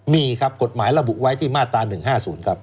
มีครับกฎหมายระบุไว้ที่มาตรา๑๕๐ครับ